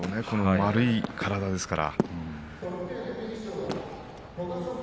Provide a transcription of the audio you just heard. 丸い体ですから。